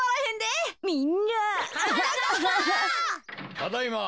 ただいま。